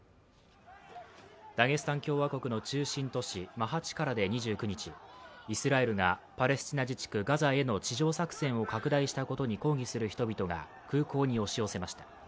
ダゲスタン共和国の中心都市マハチカラで２９日、イスラエルがパレスチナ自治区ガザへの地上作戦を拡大したことに抗議する人々が空港に押し寄せました。